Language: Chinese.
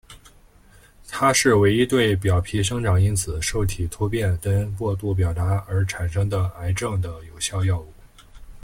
它是唯一对表皮生长因子受体突变跟过度表达而产生的癌症的有效药物。